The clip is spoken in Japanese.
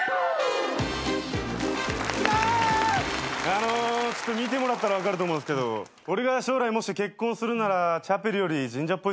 あの見てもらったら分かると思うんすけど俺が将来もし結婚するならチャペルより神社っぽいっすよね。